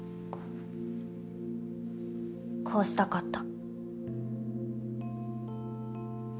こうしたかった。